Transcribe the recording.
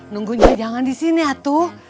nunggunya jangan di sini atuh